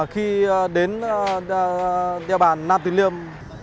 khi đến đeo bàn nam tuyên liêm